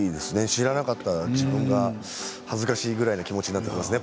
知らなかった自分が恥ずかしいくらいの気持ちになっていますね